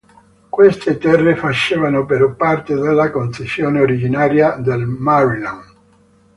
Queste terre facevano però parte della concessione originaria del Maryland.